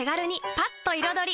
パッと彩り！